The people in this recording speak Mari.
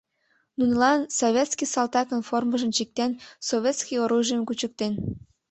Нунылан советский салтакын формыжым чиктен, советский оружийым кучыктен.